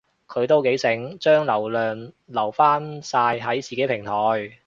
佢都幾醒，將流量留返晒喺自己平台